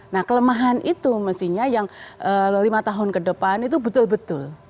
nah kelemahan itu mestinya yang lima tahun ke depan itu betul betul